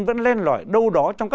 vẫn lên lõi đâu đó